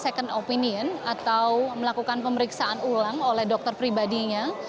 second opinion atau melakukan pemeriksaan ulang oleh dokter pribadinya